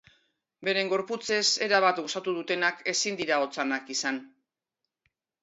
Beren gorputzez erabat gozatu dutenak ezin dira otzanak izan.